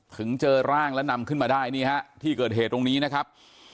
ถึงเจอร่างและนำขึ้นมาได้นี่ฮะที่เกิดเหตุตรงนี้นะครับ